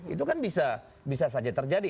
itu kan bisa saja terjadi